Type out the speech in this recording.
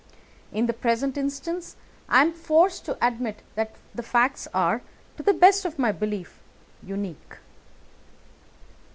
In the present instance I am forced to admit that the facts are, to the best of my belief, unique."